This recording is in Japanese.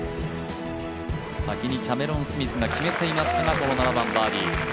先にキャメロン・スミスが決めていましたが、７番、バーディー。